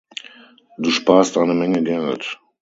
Du sparst eine Menge Geld.